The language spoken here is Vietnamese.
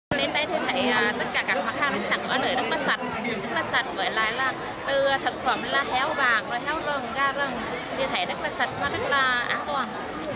đến đây thì thấy tất cả các hóa khang sản phẩm ở nơi rất là sạch rất là sạch với lại là từ thực phẩm là heo vàng